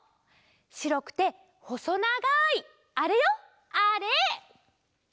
しろくてほそながいあれよあれ！